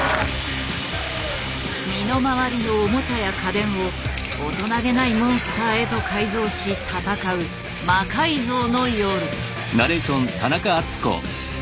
身の回りのオモチャや家電を大人気ないモンスターへと改造し戦う「魔改造の夜」。